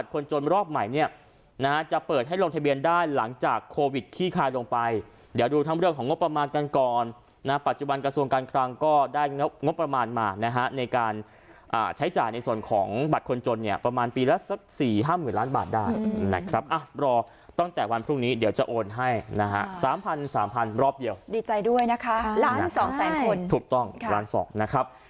ต่อไปเดี๋ยวดูทั้งเรื่องของงบประมาณกันก่อนนะปัจจุบันกระทรวงการคลังก็ได้งบประมาณมานะฮะในการใช้จ่ายในส่วนของบัตรคนจนเนี่ยประมาณปีละสัก๔๕หมื่นล้านบาทได้นะครับรอตั้งแต่วันพรุ่งนี้เดี๋ยวจะโอนให้นะฮะ๓๐๐๐๓๐๐๐รอบเยอะดีใจด้วยนะฮะล้านสองแสนคนถูกต้องล้านสองนะครับ